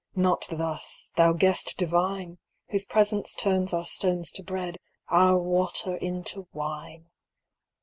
Not thus, thou Guest Divine, Whose presence turns our stones to bread, Our water into wine